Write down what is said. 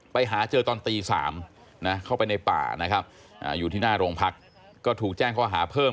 ไปหาเจอตอนตี๓นะเข้าไปในป่านะครับอยู่ที่หน้าโรงพักก็ถูกแจ้งข้อหาเพิ่ม